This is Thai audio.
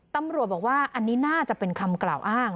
ตำรวจบอกว่าอันนี้น่าจะเป็นคำกล่าวอ้าง